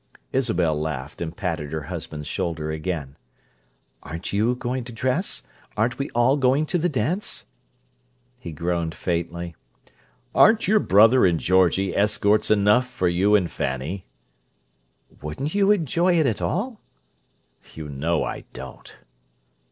Isabel laughed, and patted her husband's shoulder again. "Aren't you going to dress? Aren't we all going to the dance?" He groaned faintly. "Aren't your brother and Georgie escorts enough for you and Fanny?" "Wouldn't you enjoy it at all?" "You know I don't."